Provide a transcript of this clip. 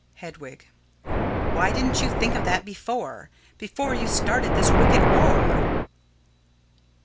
Hedwig: Why didn't you think of that before before you started this wicked war?